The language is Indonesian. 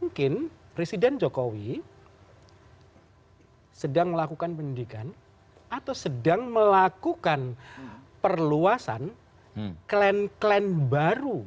mungkin presiden jokowi sedang melakukan pendidikan atau sedang melakukan perluasan klan klan baru